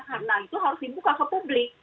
karena itu harus dibuka ke publik